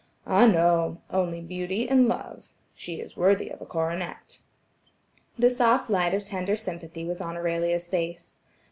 "Ah, no! only beauty and love. She is worthy of a coronet." The soft light of tender sympathy was on Aurelia's face.